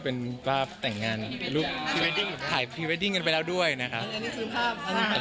ก็เป็นภาพแต่งงานรูปถ่ายพรีเวดดิ้งกันไปแล้วด้วยนะครับ